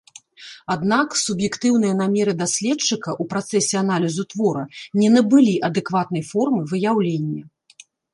Аднак суб'ектыўныя намеры даследчыка ў працэсе аналізу твора не набылі адэкватнай формы выяўлення.